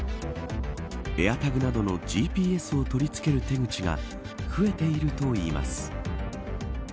エアタグなどのＧＰＳを取り付ける手口が増えているといいます。